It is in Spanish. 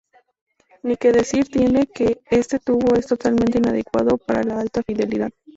Ni que decir tiene que este tubo es totalmente inadecuado para la alta fidelidad.